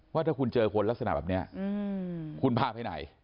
ว่าถ้าคุณเจอคนลักษณะแบบนี้คุณพาไปไหน